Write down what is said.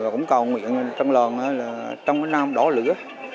cũng cầu nguyện trong lòn là trong cái nam đỏ lửa